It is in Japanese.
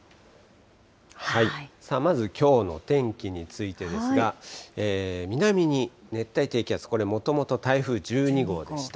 まずきょうの天気についてですが、南に熱帯低気圧、これ、もともと台風１２号でした。